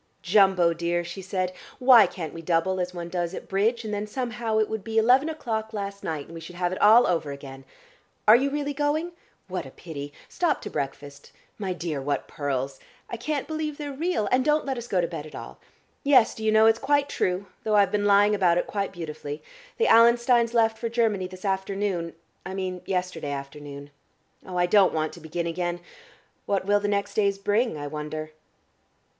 "Jumbo, dear," she said, "why can't we double as one does at bridge, and then somehow it would be eleven o 'clock last night, and we should have it all over again? Are you really going? What a pity! Stop to breakfast my dear, what pearls! I can't believe they're real and don't let us go to bed at all. Yes, do you know, it's quite true though I've been lying about it quite beautifully the Allensteins left for Germany this afternoon, I mean yesterday afternoon. Oh, I don't want to begin again.... What will the next days bring, I wonder?"